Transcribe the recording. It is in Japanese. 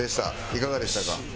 いかがでしたか？